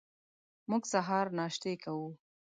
موږ سهار ناشتې کوو.